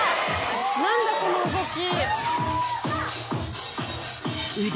何だこの動き！